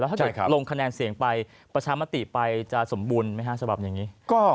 แล้วถ้าจะลงคะแนนเสี่ยงไปประชามติไปจะสมบูรณ์ไหมครับสำหรับอย่างนี้